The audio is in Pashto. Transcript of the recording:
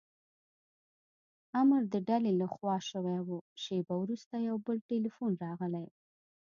امر د ډلې له خوا شوی و، شېبه وروسته یو بل ټیلیفون راغلی.